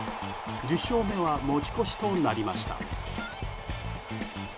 １０勝目は持ち越しとなりました。